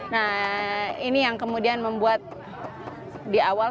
nah ini yang kemudian membuat di awal